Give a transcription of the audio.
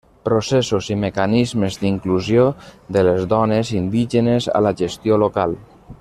Processos i mecanismes d'inclusió de les dones indígenes a la gestió local.